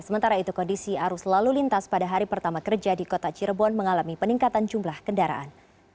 sementara itu kondisi arus lalu lintas pada hari pertama kerja di kota cirebon mengalami peningkatan jumlah kendaraan